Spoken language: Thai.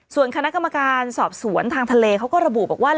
ส่วนคณะกรรมการสอบสวนทางทะเลเขาก็ระบุบอกว่า